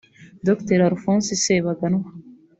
Dr Alphonse Sebaganwa